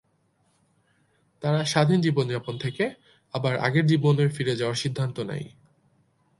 তারা স্বাধীন জীবন যাপন থেকে আবার আগের জীবনে ফিরে যাওয়ার সিদ্ধান্ত নেয়।